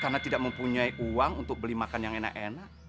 karena tidak mempunyai uang untuk beli makan yang enak enak